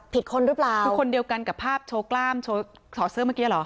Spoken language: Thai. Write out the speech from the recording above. คนหรือเปล่าคือคนเดียวกันกับภาพโชว์กล้ามโชว์ถอดเสื้อเมื่อกี้เหรอ